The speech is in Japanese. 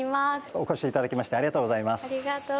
お越しいただきましてありがとうございます。